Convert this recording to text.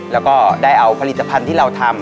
แล้วก็ได้เอาผลิตภัณฑ์ที่เราทำ